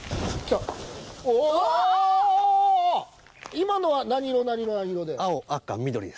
今のは何色何色何色で。